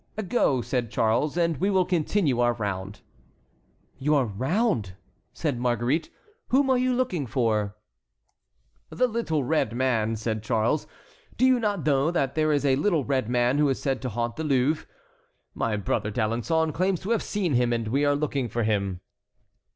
"Go," said Charles, "and we will continue our round." "Your round!" said Marguerite; "whom are you looking for?" "The little red man," said Charles. "Do you not know that there is a little red man who is said to haunt the old Louvre? My brother D'Alençon claims to have seen him, and we are looking for him."